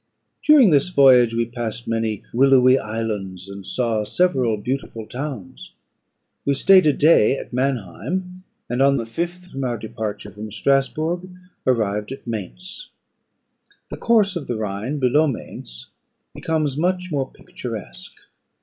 During this voyage, we passed many willowy islands, and saw several beautiful towns. We stayed a day at Manheim, and, on the fifth from our departure from Strasburgh, arrived at Mayence. The course of the Rhine below Mayence becomes much more picturesque.